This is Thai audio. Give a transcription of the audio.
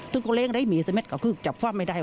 ถึงก็เล้งไหลมีเสม็ดก็คือจับฟังไม่ได้